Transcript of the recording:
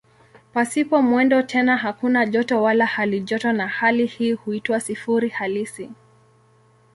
Pasipo mwendo tena hakuna joto wala halijoto na hali hii huitwa "sifuri halisi".